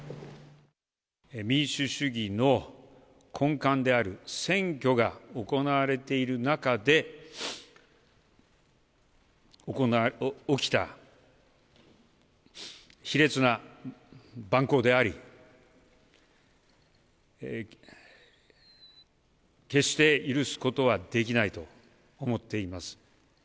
民主主義の根幹である選挙が行われている中で、起きた卑劣な蛮行であり、決して許すことはできないと思っています。